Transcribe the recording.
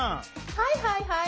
はいはいはい？